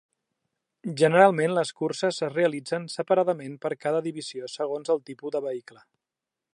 Generalment les curses es realitzen separadament per cada divisió segons el tipus de vehicle.